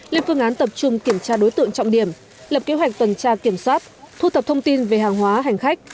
lên phương án tập trung kiểm tra đối tượng trọng điểm lập kế hoạch tuần tra kiểm soát thu thập thông tin về hàng hóa hành khách